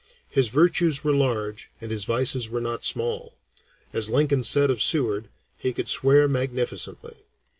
His virtues were large and his vices were not small. As Lincoln said of Seward, he could swear magnificently.